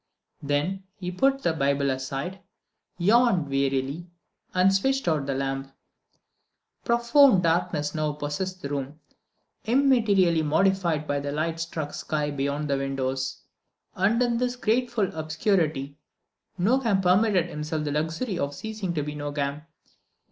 Then he put the Bible aside, yawned wearily, and switched out the lamp. Profound darkness now possessed the room, immaterially modified by the light struck sky beyond the windows. And in this grateful obscurity Nogam permitted himself the luxury of ceasing to be Nogam.